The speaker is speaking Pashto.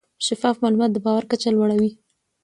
شفاف معلومات د باور کچه لوړه وي.